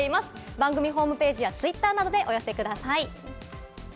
番組ホームページやツイッターなどでお寄せください。